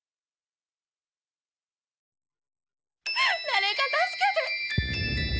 誰か助けて！